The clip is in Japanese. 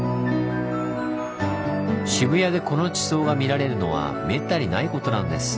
渋谷でこの地層が見られるのはめったにないことなんです。